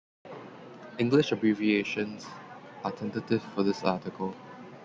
English abbreviations are tentative for this article.